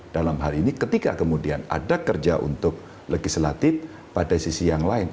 dalam hal ini ketika kemudian ada kerja untuk legislatif pada sisi yang lain